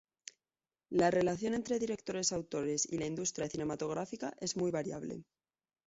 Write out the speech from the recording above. La relación entre directores-autores y la industria cinematográfica es muy variable.